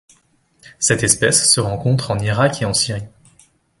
Cette espèce se rencontre en Irak et en Syrie.